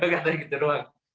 katanya gitu doang